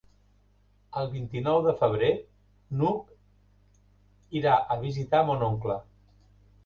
El vint-i-nou de febrer n'Hug irà a visitar mon oncle.